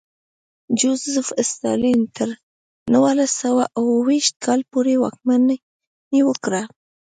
جوزېف ستالین تر نولس سوه اوه ویشت کال پورې واکمني وکړه.